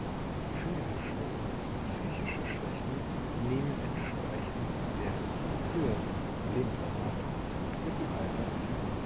Physische und psychische Schwächen nehmen entsprechend der höheren Lebenserwartung mit dem Alter zu.